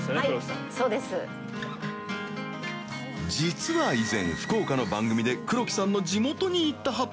実は以前福岡の番組で黒木さんの地元に行った羽鳥